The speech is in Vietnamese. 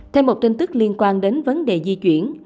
thêm một tin tức liên quan đến vấn đề di chuyển